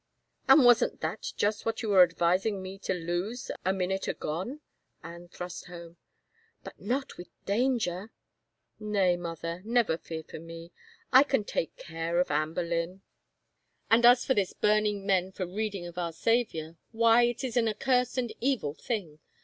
" And wasn't that just what you were advising me to lose, a minute agone ?" Anne thrust home. " But not with danger —"" Nay, mother, never fear for me. I can take care of Anne Boleyn. And as for this burning men for read ing of our Saviour, why it is an accursed and evil thing.